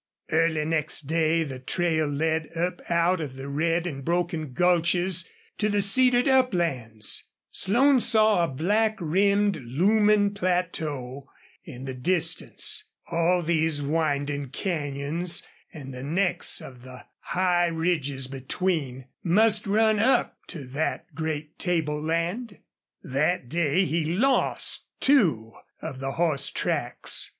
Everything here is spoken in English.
Early next day the trail led up out of the red and broken gulches to the cedared uplands. Slone saw a black rimmed, looming plateau in the distance. All these winding canyons, and the necks of the high ridges between, must run up to that great table land. That day he lost two of the horse tracks.